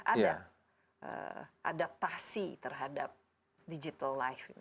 ada adaptasi terhadap digital life